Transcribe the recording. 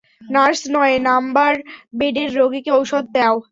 Nurse, নয় number বেডের রোগীকে ঔষধ দাও।